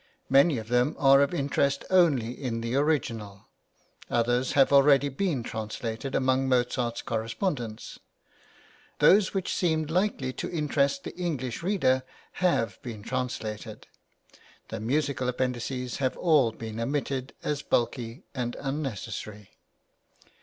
Many of them are of interest only in the original, others have already been translated among Mozart's correspondence. Those which seemed likely to interest the English reader have been translated. The musical Appendixes have all been omitted as bulky and unnecessary.